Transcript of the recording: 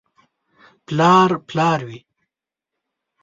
• پلار پلار وي.